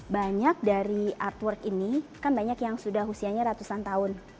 banyak dari artwork ini kan banyak yang sudah usianya ratusan tahun